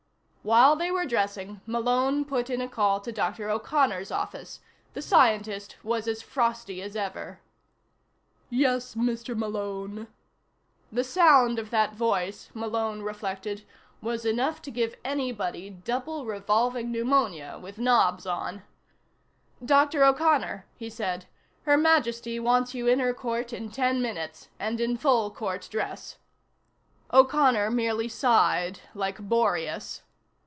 While they were dressing, Malone put in a call to Dr. O'Connor's office. The scientist was as frosty as ever. "Yes, Mr. Malone?" The sound of that voice, Malone reflected, was enough to give anybody double revolving pneumonia with knobs on. "Dr. O'Connor," he said, "Her Majesty wants you in her court in ten minutes and in full court dress." O'Connor merely sighed, like Boreas.